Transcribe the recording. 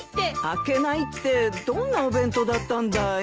開けないってどんなお弁当だったんだい？